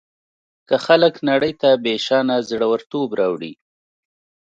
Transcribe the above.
که خلک نړۍ ته بېشانه زړه ورتوب راوړي.